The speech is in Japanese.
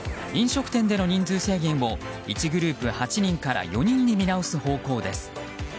飲食店での人数制限を１グループ８人から４人に見直す方向です。